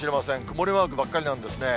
曇りマークばっかりなんですね。